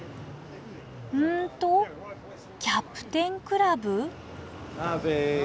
うんと「キャプテンクラブ」？